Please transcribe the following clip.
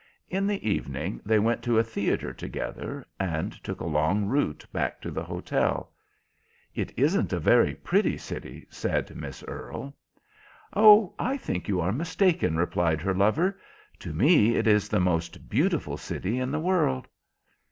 In the evening they went to a theatre together, and took a long route back to the hotel. "It isn't a very pretty city," said Miss Earle. "Oh, I think you are mistaken," replied her lover. "To me it is the most beautiful city in the world."